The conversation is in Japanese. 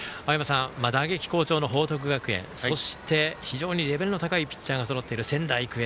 打撃好調の報徳学園、そして非常にレベルの高いピッチャーがそろっている仙台育英。